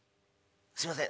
すいません